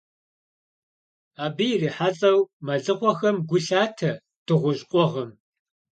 Абы ирихьэлӀэу, мэлыхъуэхэм гу лъатэ дыгъужь къугъым.